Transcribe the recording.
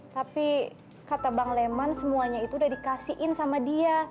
tapi kata bang leman semuanya itu udah dikasihin sama dia